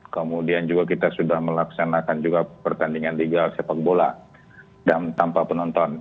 kemudian juga kita sudah melaksanakan juga pertandingan liga sepak bola dan tanpa penonton